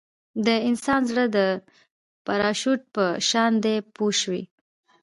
د انسان زړه د پراشوټ په شان دی پوه شوې!.